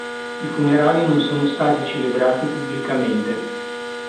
I funerali non sono stati celebrati pubblicamente.